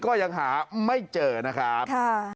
ก็ยังหาไม่เจอนะครับ